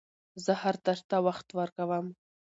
زه هر درس ته وخت ورکووم.